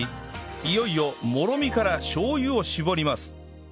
いよいよもろみからしょう油を搾ります